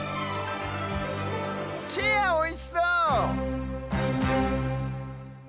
チェアおいしそう！